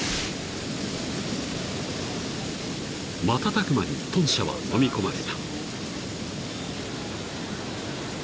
［瞬く間に豚舎はのみ込まれた］